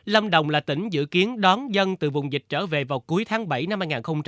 lâm đồng là tỉnh dự kiến đón dân từ vùng dịch trở về vào cuối tháng bảy năm hai nghìn hai mươi